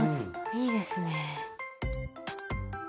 いいですね。